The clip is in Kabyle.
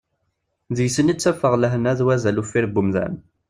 Deg-sen i ttafeɣ lehna d wazal uffir n umdan.